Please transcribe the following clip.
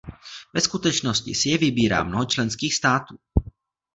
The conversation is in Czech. Ve skutečnosti si je vybírá mnoho členských států.